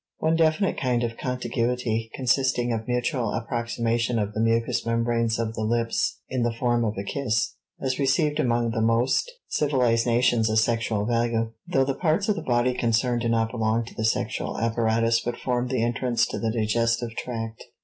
One definite kind of contiguity, consisting of mutual approximation of the mucous membranes of the lips in the form of a kiss, has received among the most civilized nations a sexual value, though the parts of the body concerned do not belong to the sexual apparatus but form the entrance to the digestive tract.